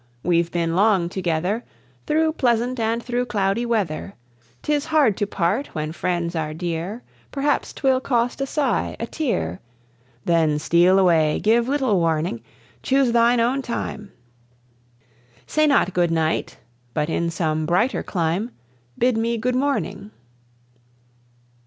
we've been long together Through pleasant and through cloudy weather; Tis hard to part when friends are dear Perhaps 'twill cost a sigh, a tear; Then steal away, give little warning, Choose thine own time; Say not Good Night, but in some brighter clime Bid me Good Morning.